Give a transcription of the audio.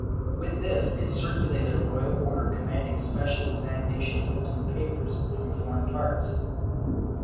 With this it circulated a royal order command ing special examination of books and papers from foreign parts.